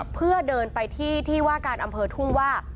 เพื่อเดินไปที่ที่ว่าการอำเภอทุ่งว่า